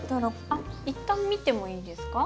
あっ一旦見てもいいですか？